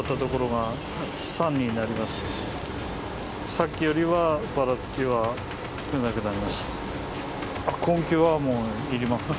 さっきよりはバラつきはなくなりました。